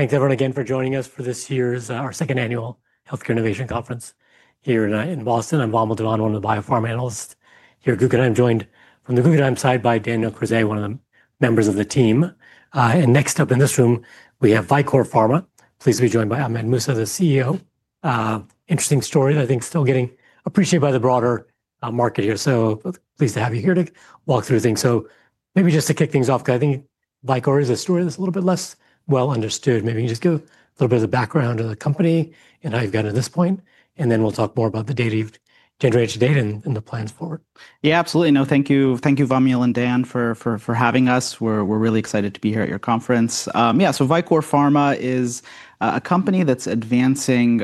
Thanks, everyone, again for joining us for this year's, our second annual Healthcare Innovation Conference here in Boston. I'm Vamil Dewan, one of the BioPharma analysts here at Guggenheim, joined from the Guggenheim side by Daniel Crozet, one of the members of the team. Next up in this room, we have Vicore Pharma. Pleased to be joined by Ahmed Mousa, the CEO. Interesting story, I think, still getting appreciated by the broader market here. Pleased to have you here to walk through things. Maybe just to kick things off, because I think Vicore is a story that's a little bit less well understood. Maybe you can just give a little bit of the background of the company and how you've gotten to this point. Then we'll talk more about the data generation data and the plans forward. Yeah, absolutely. No, thank you, Vamil and Dan, for having us. We're really excited to be here at your conference. Yeah, so Vicore Pharma is a company that's advancing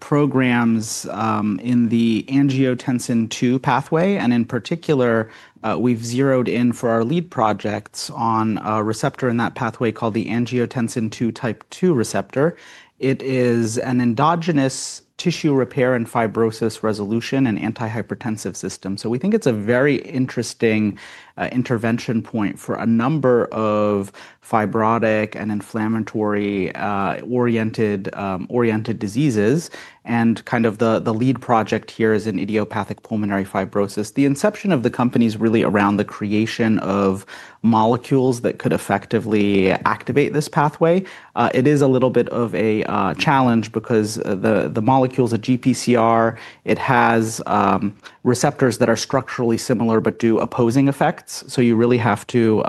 programs in the angiotensin II pathway. In particular, we've zeroed in for our lead projects on a receptor in that pathway called the angiotensin II type II receptor. It is an endogenous tissue repair and fibrosis resolution and antihypertensive system. We think it's a very interesting intervention point for a number of fibrotic and inflammatory-oriented diseases. Kind of the lead project here is in idiopathic pulmonary fibrosis. The inception of the company is really around the creation of molecules that could effectively activate this pathway. It is a little bit of a challenge because the molecules are GPCR, it has receptors that are structurally similar but do opposing effects. You really have to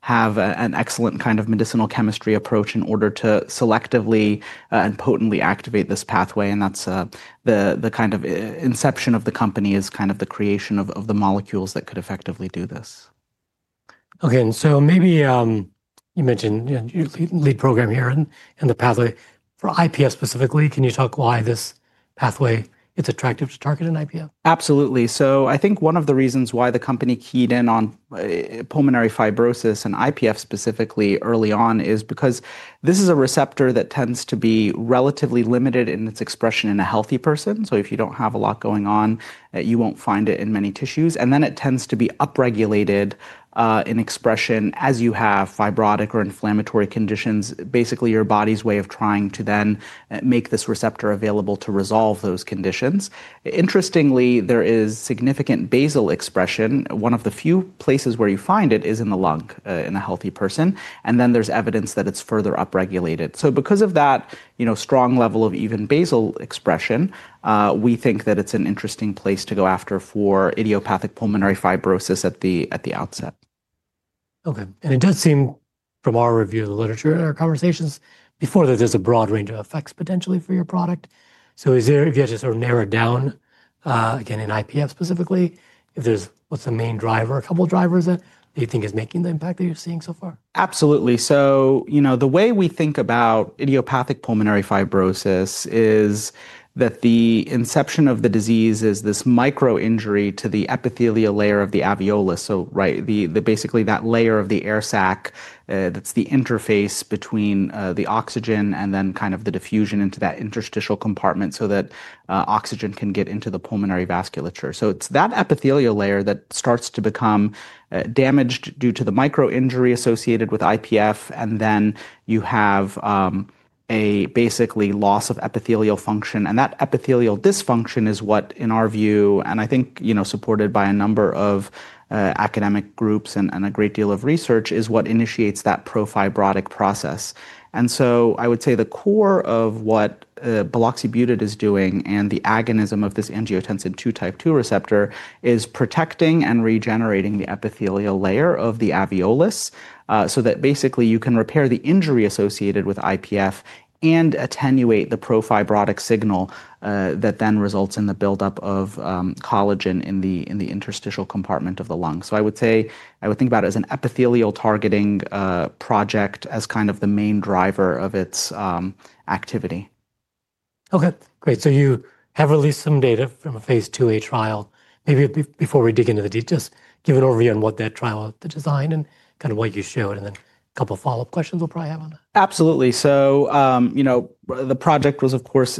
have an excellent kind of medicinal chemistry approach in order to selectively and potently activate this pathway. That's the kind of inception of the company, is kind of the creation of the molecules that could effectively do this. Okay, and so maybe you mentioned lead program here and the pathway. For IPF specifically, can you talk why this pathway, it's attractive to target in IPF? Absolutely. I think one of the reasons why the company keyed in on pulmonary fibrosis and IPF specifically early on is because this is a receptor that tends to be relatively limited in its expression in a healthy person. If you do not have a lot going on, you will not find it in many tissues. It tends to be upregulated in expression as you have fibrotic or inflammatory conditions, basically your body's way of trying to then make this receptor available to resolve those conditions. Interestingly, there is significant basal expression. One of the few places where you find it is in the lung in a healthy person. There is evidence that it is further upregulated. Because of that strong level of even basal expression, we think that it is an interesting place to go after for idiopathic pulmonary fibrosis at the outset. Okay, and it does seem from our review of the literature and our conversations before that there's a broad range of effects potentially for your product. If you had to sort of narrow it down, again, in IPF specifically, what's the main driver, a couple of drivers that you think is making the impact that you're seeing so far? Absolutely. The way we think about idiopathic pulmonary fibrosis is that the inception of the disease is this micro injury to the epithelial layer of the alveolus. Basically, that layer of the air sac is the interface between the oxygen and then kind of the diffusion into that interstitial compartment so that oxygen can get into the pulmonary vasculature. It is that epithelial layer that starts to become damaged due to the micro injury associated with IPF. You have a basically loss of epithelial function. That epithelial dysfunction is what, in our view, and I think supported by a number of academic groups and a great deal of research, is what initiates that pro-fibrotic process. I would say the core of what buloxibutid is doing and the agonism of this angiotensin II type II receptor is protecting and regenerating the epithelial layer of the alveolus so that basically you can repair the injury associated with IPF and attenuate the pro-fibrotic signal that then results in the buildup of collagen in the interstitial compartment of the lung. I would think about it as an epithelial targeting project as kind of the main driver of its activity. Okay, great. You have released some data from a phase IIA trial. Maybe before we dig into the details, give an overview on what that trial designed and kind of what you showed, and then a couple of follow-up questions we'll probably have on that. Absolutely. The project was, of course,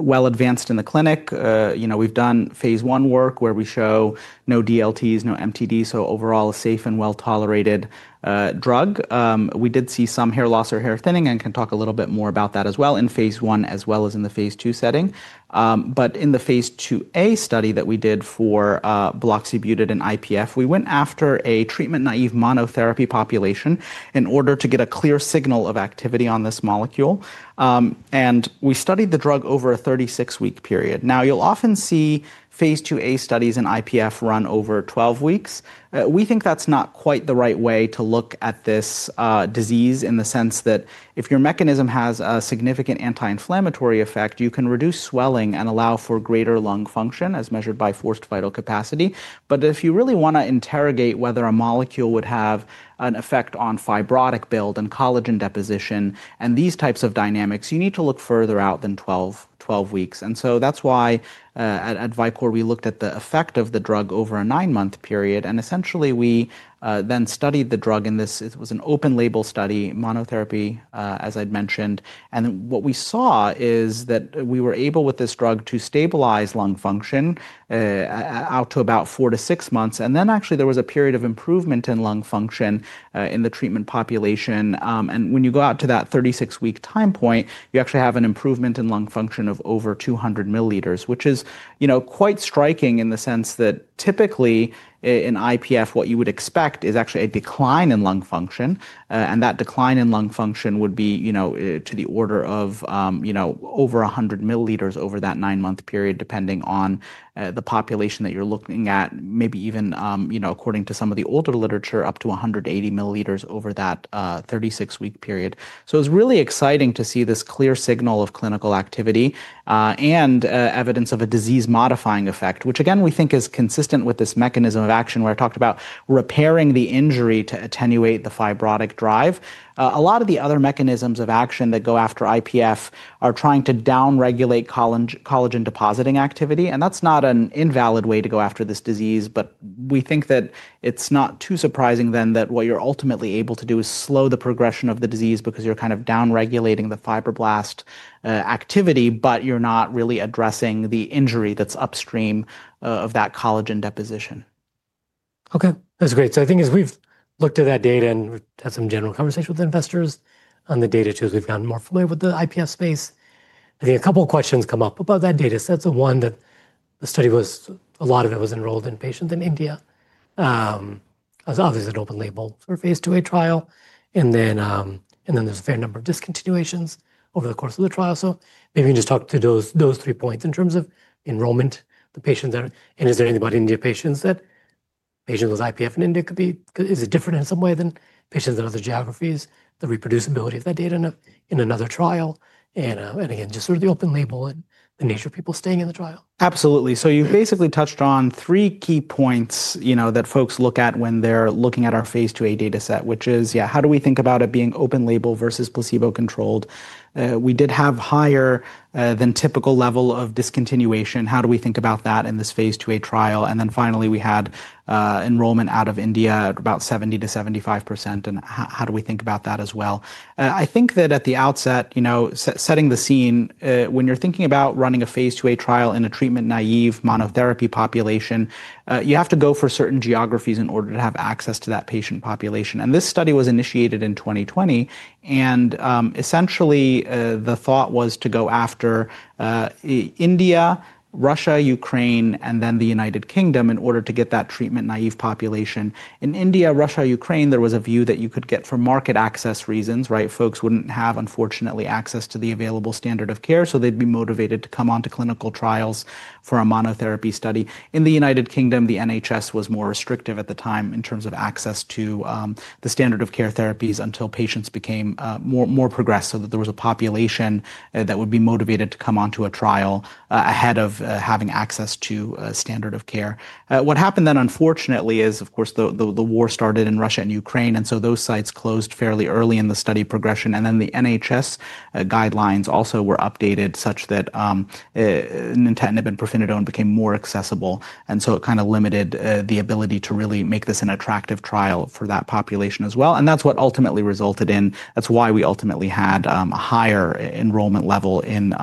well advanced in the clinic. We've done phase I work where we show no DLTs, no MTDs, so overall a safe and well tolerated drug. We did see some hair loss or hair thinning and can talk a little bit more about that as well in phase I as well as in the phase II setting. In the phase IIA study that we did for buloxibutid and IPF, we went after a treatment-naive monotherapy population in order to get a clear signal of activity on this molecule. We studied the drug over a 36-week period. Now, you'll often see phase IIA studies in IPF run over 12 weeks. We think that's not quite the right way to look at this disease in the sense that if your mechanism has a significant anti-inflammatory effect, you can reduce swelling and allow for greater lung function as measured by forced vital capacity. If you really want to interrogate whether a molecule would have an effect on fibrotic build and collagen deposition and these types of dynamics, you need to look further out than 12 weeks. That is why at Vicore, we looked at the effect of the drug over a nine-month period. Essentially, we then studied the drug in this, it was an open label study, monotherapy, as I'd mentioned. What we saw is that we were able with this drug to stabilize lung function out to about four to six months. There was a period of improvement in lung function in the treatment population. When you go out to that 36-week time point, you actually have an improvement in lung function of over 200 ml, which is quite striking in the sense that typically in IPF, what you would expect is actually a decline in lung function. That decline in lung function would be to the order of over 100 ml over that nine-month period, depending on the population that you're looking at, maybe even according to some of the older literature, up to 180 ml over that 36-week period. It was really exciting to see this clear signal of clinical activity and evidence of a disease-modifying effect, which again, we think is consistent with this mechanism of action where I talked about repairing the injury to attenuate the fibrotic drive. A lot of the other mechanisms of action that go after IPF are trying to downregulate collagen depositing activity. That is not an invalid way to go after this disease, but we think that it is not too surprising then that what you are ultimately able to do is slow the progression of the disease because you are kind of downregulating the fibroblast activity, but you are not really addressing the injury that is upstream of that collagen deposition. Okay, that's great. I think as we've looked at that data and had some general conversation with investors on the data too, as we've gotten more familiar with the IPF space, I think a couple of questions come up about that data. That's the one that the study was, a lot of it was enrolled in patients in India. It was obviously an open label for a phase IIA trial. There's a fair number of discontinuations over the course of the trial. Maybe you can just talk to those three points in terms of enrollment, the patients, and is there anybody in India patients that patients with IPF in India could be, is it different in some way than patients in other geographies, the reproducibility of that data in another trial? Just sort of the open label and the nature of people staying in the trial. Absolutely. You basically touched on three key points that folks look at when they're looking at our phase IIA dataset, which is, yeah, how do we think about it being open label versus placebo-controlled? We did have higher than typical level of discontinuation. How do we think about that in this phase IIA trial? Then finally, we had enrollment out of India at about 70-75%. How do we think about that as well? I think that at the outset, setting the scene, when you're thinking about running a phase IIA trial in a treatment-naive monotherapy population, you have to go for certain geographies in order to have access to that patient population. This study was initiated in 2020. Essentially, the thought was to go after India, Russia, Ukraine, and then the United Kingdom in order to get that treatment-naive population. In India, Russia, Ukraine, there was a view that you could get for market access reasons, right? Folks wouldn't have, unfortunately, access to the available standard of care. So they'd be motivated to come onto clinical trials for a monotherapy study. In the United Kingdom, the NHS was more restrictive at the time in terms of access to the standard of care therapies until patients became more progressed so that there was a population that would be motivated to come onto a trial ahead of having access to standard of care. What happened then, unfortunately, is of course the war started in Russia and Ukraine. Those sites closed fairly early in the study progression. The NHS guidelines also were updated such that nintedanib and pirfenidone became more accessible. It kind of limited the ability to really make this an attractive trial for that population as well. That is what ultimately resulted in, that is why we ultimately had a higher enrollment level in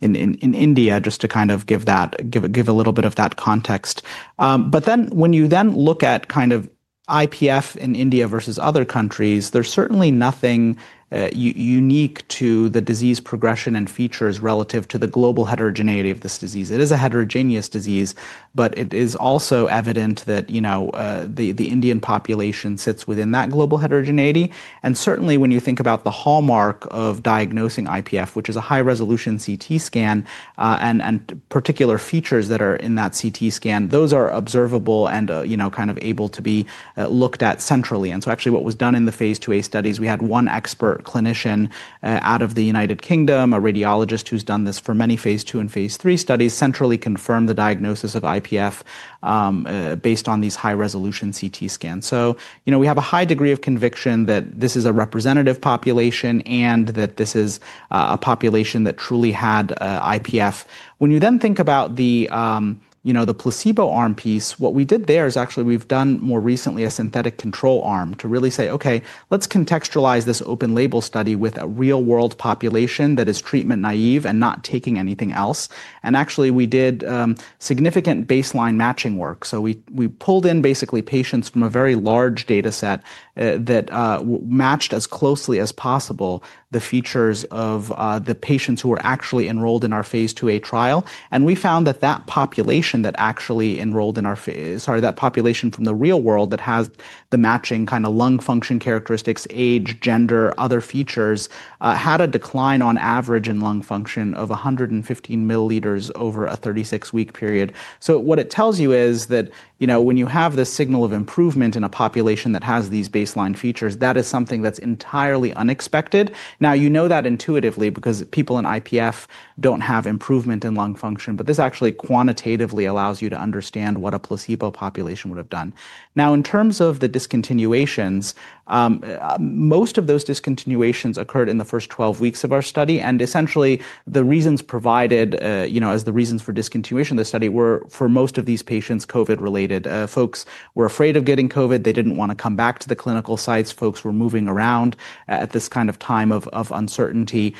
India just to kind of give a little bit of that context. When you then look at kind of IPF in India versus other countries, there is certainly nothing unique to the disease progression and features relative to the global heterogeneity of this disease. It is a heterogeneous disease, but it is also evident that the Indian population sits within that global heterogeneity. Certainly when you think about the hallmark of diagnosing IPF, which is a high-resolution CT scan and particular features that are in that CT scan, those are observable and kind of able to be looked at centrally. Actually, what was done in the phase IIA studies, we had one expert clinician out of the United Kingdom, a radiologist who's done this for many phase II and phase III studies, centrally confirmed the diagnosis of IPF based on these high-resolution CT scans. We have a high degree of conviction that this is a representative population and that this is a population that truly had IPF. When you then think about the placebo arm piece, what we did there is actually we've done more recently a synthetic control arm to really say, okay, let's contextualize this open label study with a real-world population that is treatment-naive and not taking anything else. Actually, we did significant baseline matching work. We pulled in basically patients from a very large dataset that matched as closely as possible the features of the patients who were actually enrolled in our phase IIA trial. We found that that population that actually enrolled in our, sorry, that population from the real world that has the matching kind of lung function characteristics, age, gender, other features, had a decline on average in lung function of 115 ml over a 36-week period. What it tells you is that when you have this signal of improvement in a population that has these baseline features, that is something that's entirely unexpected. Now you know that intuitively because people in IPF don't have improvement in lung function, but this actually quantitatively allows you to understand what a placebo population would have done. Now in terms of the discontinuations, most of those discontinuations occurred in the first 12 weeks of our study. Essentially the reasons provided as the reasons for discontinuation of the study were for most of these patients, COVID-related. Folks were afraid of getting COVID. They didn't want to come back to the clinical sites. Folks were moving around at this kind of time of uncertainty.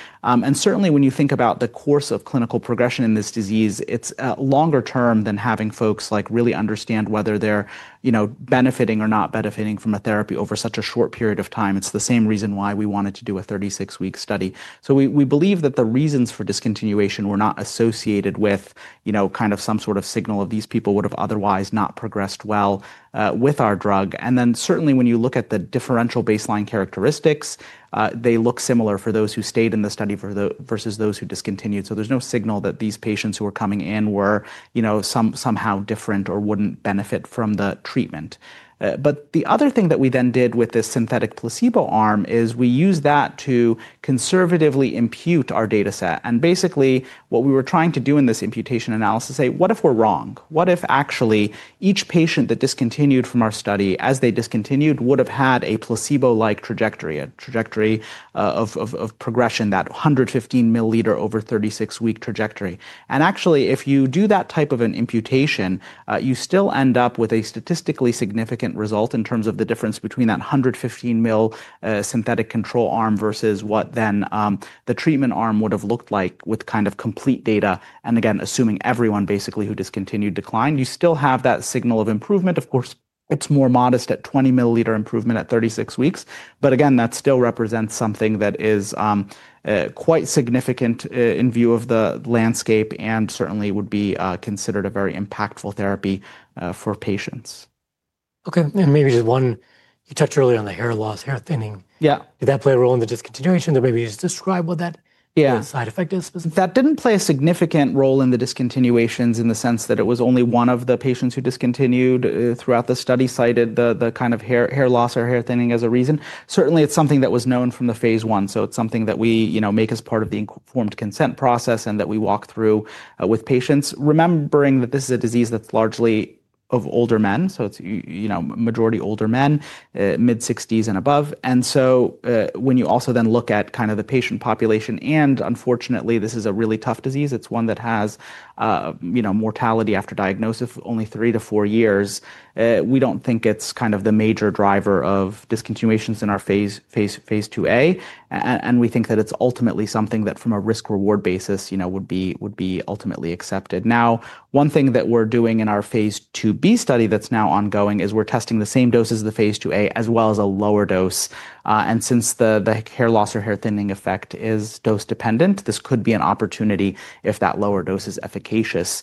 Certainly when you think about the course of clinical progression in this disease, it's longer term than having folks like really understand whether they're benefiting or not benefiting from a therapy over such a short period of time. It's the same reason why we wanted to do a 36-week study. We believe that the reasons for discontinuation were not associated with kind of some sort of signal of these people would have otherwise not progressed well with our drug. Certainly, when you look at the differential baseline characteristics, they look similar for those who stayed in the study versus those who discontinued. There is no signal that these patients who were coming in were somehow different or would not benefit from the treatment. The other thing that we then did with this synthetic placebo arm is we used that to conservatively impute our dataset. Basically, what we were trying to do in this imputation analysis is say, what if we are wrong? What if actually each patient that discontinued from our study as they discontinued would have had a placebo-like trajectory, a trajectory of progression, that 115 ml over 36-week trajectory? If you do that type of an imputation, you still end up with a statistically significant result in terms of the difference between that 115 ml synthetic control arm versus what the treatment arm would have looked like with kind of complete data. Again, assuming everyone basically who discontinued declined, you still have that signal of improvement. Of course, it is more modest at 20 ml improvement at 36 weeks. Again, that still represents something that is quite significant in view of the landscape and certainly would be considered a very impactful therapy for patients. Okay. Maybe just one, you touched earlier on the hair loss, hair thinning. Did that play a role in the discontinuation? Or maybe you just describe what that side effect is. That didn't play a significant role in the discontinuations in the sense that it was only one of the patients who discontinued throughout the study cited the kind of hair loss or hair thinning as a reason. Certainly it's something that was known from the phase I. So it's something that we make as part of the informed consent process and that we walk through with patients, remembering that this is a disease that's largely of older men. It's majority older men, mid-60s and above. When you also then look at kind of the patient population and unfortunately this is a really tough disease, it's one that has mortality after diagnosis of only three to four years, we don't think it's kind of the major driver of discontinuations in our phase IIA. We think that it's ultimately something that from a risk-reward basis would be ultimately accepted. One thing that we're doing in our phase IIB study that's now ongoing is we're testing the same doses of the phase IIA as well as a lower dose. Since the hair loss or hair thinning effect is dose-dependent, this could be an opportunity if that lower dose is efficacious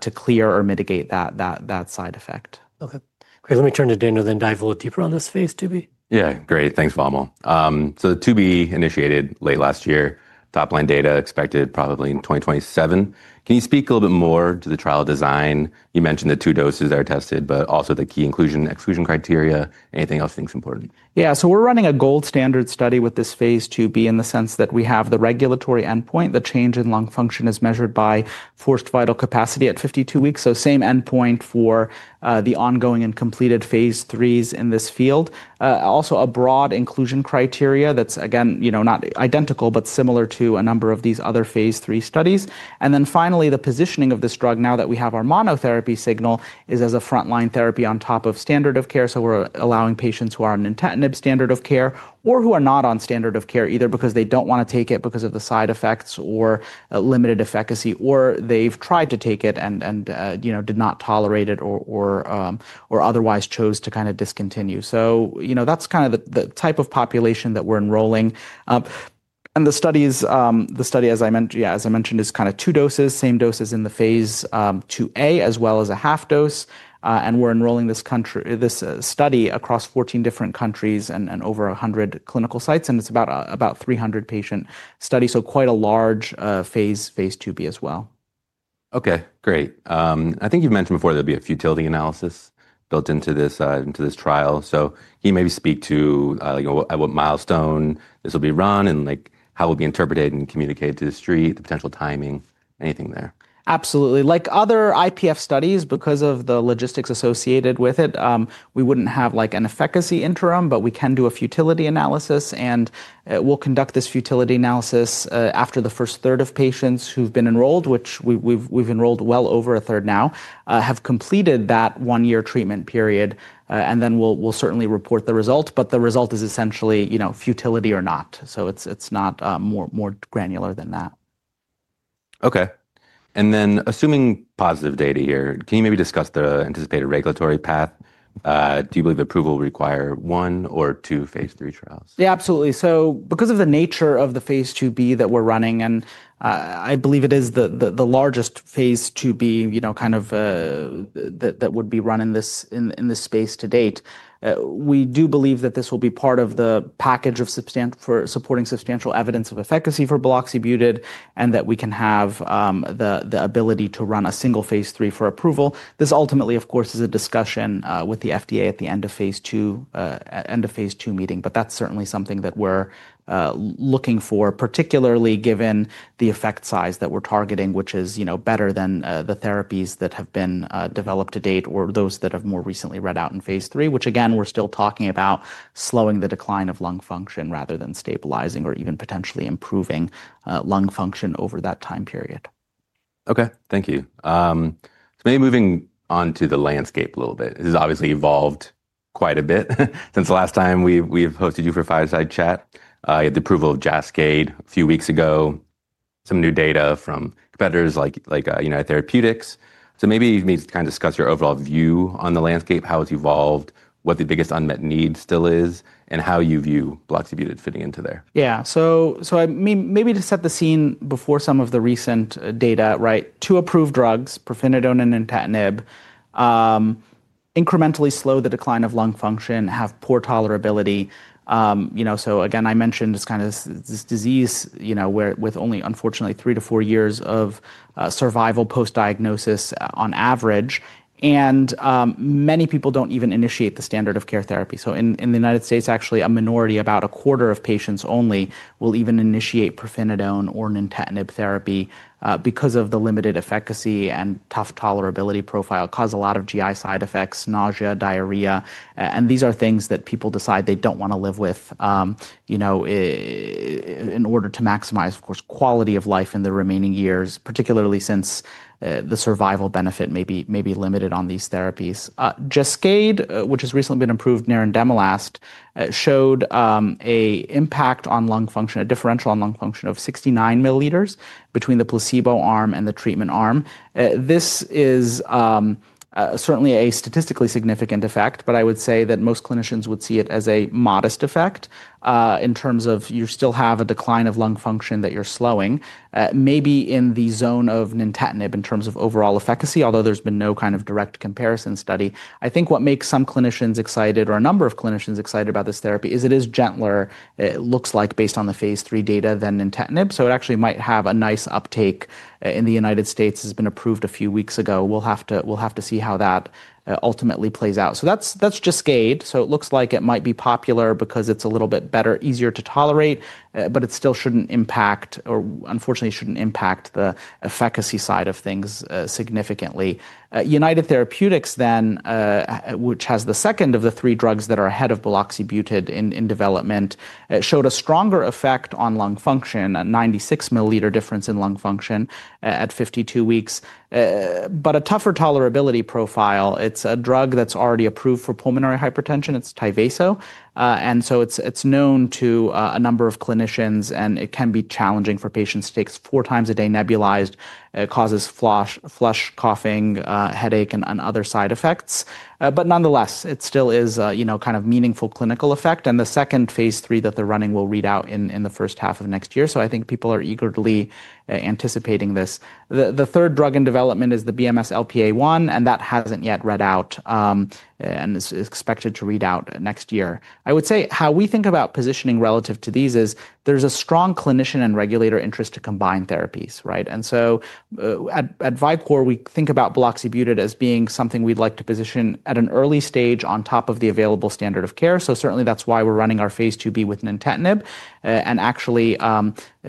to clear or mitigate that side effect. Okay. Great. Let me turn to Daniel, then dive a little deeper on this phase IIB. Yeah, great. Thanks, Vamil. The IIB initiated late last year, top-line data expected probably in 2027. Can you speak a little bit more to the trial design? You mentioned the two doses that are tested, but also the key inclusion and exclusion criteria. Anything else you think is important? Yeah, so we're running a gold standard study with this phase IIB in the sense that we have the regulatory endpoint. The change in lung function is measured by forced vital capacity at 52 weeks. Same endpoint for the ongoing and completed phase IIIs in this field. Also a broad inclusion criteria that's again, not identical, but similar to a number of these other phase III studies. Finally, the positioning of this drug now that we have our monotherapy signal is as a frontline therapy on top of standard of care. We're allowing patients who are on nintedanib standard of care or who are not on standard of care either because they don't want to take it because of the side effects or limited efficacy, or they've tried to take it and did not tolerate it or otherwise chose to kind of discontinue. That's kind of the type of population that we're enrolling. The study, as I mentioned, is kind of two doses, same doses in the phase IIA as well as a half dose. We're enrolling this study across 14 different countries and over 100 clinical sites. It's about a 300-patient study. Quite a large phase IIB as well. Okay, great. I think you've mentioned before there'll be a futility analysis built into this trial. Can you maybe speak to at what milestone this will be run and how it will be interpreted and communicated to the street, the potential timing, anything there? Absolutely. Like other IPF studies, because of the logistics associated with it, we wouldn't have an efficacy interim, but we can do a futility analysis. We'll conduct this futility analysis after the first third of patients who've been enrolled, which we've enrolled well over a third now, have completed that one-year treatment period. We'll certainly report the result, but the result is essentially futility or not. It's not more granular than that. Okay. And then assuming positive data here, can you maybe discuss the anticipated regulatory path? Do you believe approval will require one or two phase III trials? Yeah, absolutely. Because of the nature of the phase IIB that we're running, and I believe it is the largest phase IIB kind of that would be run in this space to date, we do believe that this will be part of the package for supporting substantial evidence of efficacy for buloxibutid and that we can have the ability to run a single phase III for approval. This ultimately, of course, is a discussion with the FDA at the end of phase II, end of phase II meeting, but that's certainly something that we're looking for, particularly given the effect size that we're targeting, which is better than the therapies that have been developed to date or those that have more recently read out in phase III, which again, we're still talking about slowing the decline of lung function rather than stabilizing or even potentially improving lung function over that time period. Okay, thank you. Maybe moving on to the landscape a little bit. This has obviously evolved quite a bit since the last time we've hosted you for Fireside Chat. You had the approval of Jascade a few weeks ago, some new data from competitors like United Therapeutics. Maybe you can kind of discuss your overall view on the landscape, how it's evolved, what the biggest unmet need still is, and how you view buloxibutid fitting into there. Yeah. Maybe to set the scene before some of the recent data, right? Two approved drugs, pirfenidone and nintedanib, incrementally slow the decline of lung function, have poor tolerability. I mentioned this kind of this disease with only unfortunately three to four years of survival post-diagnosis on average. Many people do not even initiate the standard of care therapy. In the U.S., actually a minority, about a quarter of patients only will even initiate pirfenidone or nintedanib therapy because of the limited efficacy and tough tolerability profile, cause a lot of GI side effects, nausea, diarrhea. These are things that people decide they do not want to live with in order to maximize, of course, quality of life in the remaining years, particularly since the survival benefit may be limited on these therapies. Jascade, which has recently been approved near endemolast, showed an impact on lung function, a differential on lung function of 69 ml between the placebo arm and the treatment arm. This is certainly a statistically significant effect, but I would say that most clinicians would see it as a modest effect in terms of you still have a decline of lung function that you're slowing, maybe in the zone of nintedanib in terms of overall efficacy, although there's been no kind of direct comparison study. I think what makes some clinicians excited or a number of clinicians excited about this therapy is it is gentler, it looks like based on the phase III data than nintedanib. It actually might have a nice uptake in the United States. It has been approved a few weeks ago. We'll have to see how that ultimately plays out. That's Jascade. It looks like it might be popular because it's a little bit better, easier to tolerate, but it still shouldn't impact or unfortunately shouldn't impact the efficacy side of things significantly. United Therapeutics then, which has the second of the three drugs that are ahead of buloxibutid in development, showed a stronger effect on lung function, a 96 ml difference in lung function at 52 weeks, but a tougher tolerability profile. It's a drug that's already approved for pulmonary hypertension. It's Tyvaso. It's known to a number of clinicians and it can be challenging for patients to take four times a day nebulized, causes flush, coughing, headache, and other side effects. Nonetheless, it still is kind of meaningful clinical effect. The second phase III that they're running will read out in the first half of next year. I think people are eagerly anticipating this. The third drug in development is the BMS LPA1, and that hasn't yet read out and is expected to read out next year. I would say how we think about positioning relative to these is there's a strong clinician and regulator interest to combine therapies, right? At Vicore, we think about buloxibutid as being something we'd like to position at an early stage on top of the available standard of care. Certainly that's why we're running our phase IIB with nintedanib. Actually,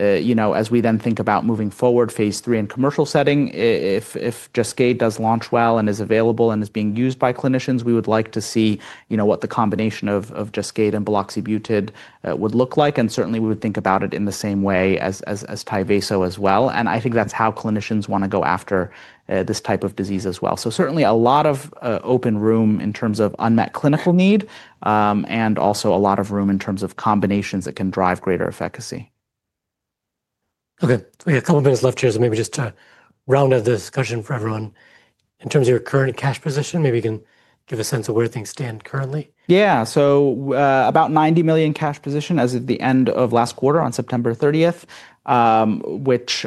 as we then think about moving forward phase III in commercial setting, if Jascade does launch well and is available and is being used by clinicians, we would like to see what the combination of Jascade and buloxibutid would look like. Certainly we would think about it in the same way as Tyvaso as well. I think that's how clinicians want to go after this type of disease as well. Certainly a lot of open room in terms of unmet clinical need and also a lot of room in terms of combinations that can drive greater efficacy. Okay. We have a couple of minutes left, Chair. Maybe just to round out the discussion for everyone, in terms of your current cash position, maybe you can give a sense of where things stand currently. Yeah. So about $90 million cash position as of the end of last quarter on September 30, which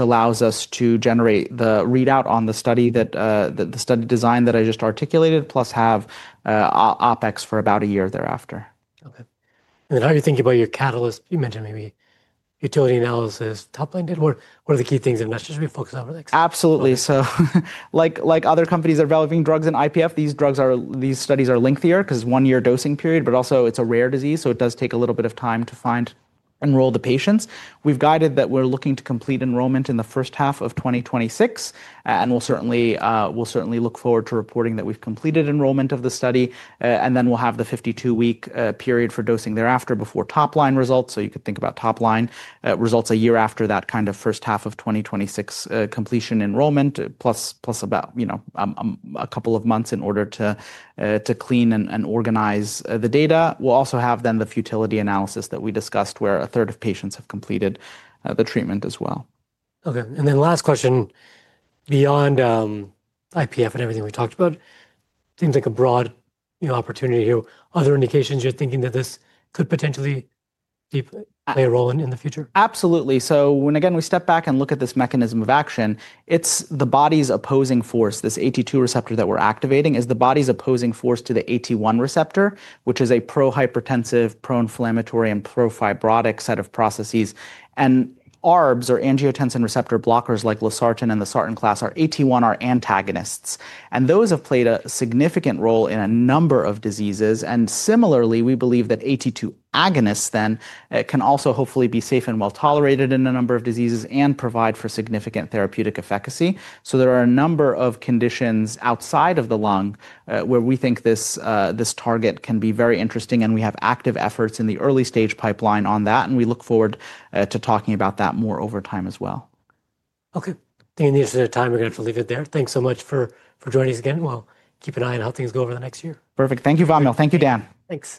allows us to generate the readout on the study that the study design that I just articulated, plus have OpEx for about a year thereafter. Okay. How are you thinking about your catalyst? You mentioned maybe utility analysis, top-line data. What are the key things? That is just what we focus on. Absolutely. Like other companies are developing drugs in IPF, these studies are lengthier because one-year dosing period, but also it's a rare disease. It does take a little bit of time to find and enroll the patients. We've guided that we're looking to complete enrollment in the first half of 2026. We'll certainly look forward to reporting that we've completed enrollment of the study. We'll have the 52-week period for dosing thereafter before top-line results. You could think about top-line results a year after that kind of first half of 2026 completion enrollment, plus about a couple of months in order to clean and organize the data. We'll also have then the futility analysis that we discussed where a third of patients have completed the treatment as well. Okay. Last question, beyond IPF and everything we talked about, seems like a broad opportunity here. Are there indications you're thinking that this could potentially play a role in the future? Absolutely. When again, we step back and look at this mechanism of action, it's the body's opposing force. This AT2 receptor that we're activating is the body's opposing force to the AT1 receptor, which is a pro-hypertensive, pro-inflammatory, and pro-fibrotic set of processes. ARBs or angiotensin receptor blockers like losartan and the SARTAN class are AT1R antagonists. Those have played a significant role in a number of diseases. Similarly, we believe that AT2 agonists then can also hopefully be safe and well tolerated in a number of diseases and provide for significant therapeutic efficacy. There are a number of conditions outside of the lung where we think this target can be very interesting. We have active efforts in the early stage pipeline on that. We look forward to talking about that more over time as well. Okay. I think in the interest of time, we're going to have to leave it there. Thanks so much for joining us again. We'll keep an eye on how things go over the next year. Perfect. Thank you, Vamil. Thank you, Dan. Thanks.